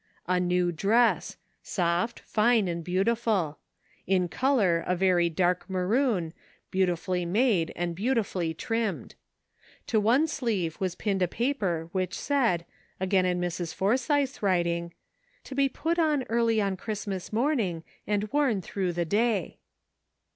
A new dress, soft, fine and beautiful ; in color a very dark maroon, beautifully made and beautifully trimmed. To one sleeve was pinned a paper which said, again in Mrs. Forsythe's writing: "To be put on early on Christmas morning, and worn through the day."